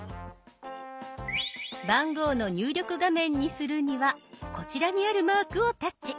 番号の入力画面にするにはこちらにあるマークをタッチ。